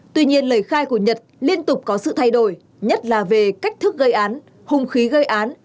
tuy nhiên lời khai của nhật liên tục có sự thay đổi nhất là về cách thức gây án hùng khí gây án